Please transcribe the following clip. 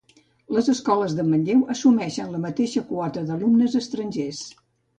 Les escoles de Manlleu assumeixen la mateixa quota d'alumnes estrangers.